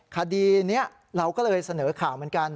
คดีนี้เราก็เลยเสนอข่าวเหมือนกัน